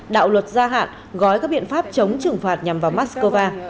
đạo luật gia hạn gói các biện pháp chống trừng phạt nhằm vào moscow